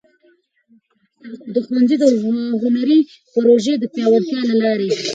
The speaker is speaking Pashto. د ښونځي د هنري پروژو د پیاوړتیا له لارې.